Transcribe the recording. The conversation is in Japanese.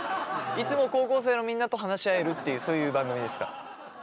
いつも高校生のみんなと話し合えるっていうそういう番組ですから。